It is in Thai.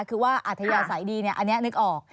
คือว่าอัธยาศัยดีอันนี้นึกออก